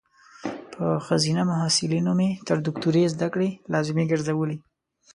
په خځینه محصلینو مې تر دوکتوری ذدکړي لازمي ګرزولي